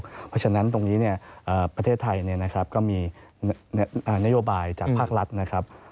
เพราะฉะนั้นตรงนี้ประเทศไทยก็มีนโยบายจากภาครัฐนะครับ